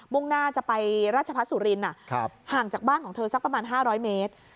มุ่งหน้าจะไปราชภัษฐสุรินทร์น่ะครับห่างจากบ้านของเธอสักประมาณห้าร้อยเมตร